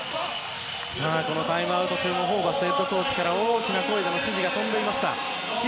このタイムアウト中もホーバスヘッドコーチから大きな声で指示が飛んでいました。